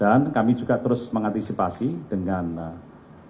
dan kami juga terus mengantisipasi dan kami juga terus mengantisipasi